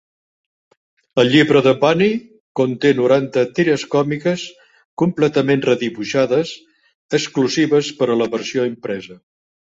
El llibre de Bunny conté noranta tires còmiques completament redibuixades exclusives per a la versió impresa.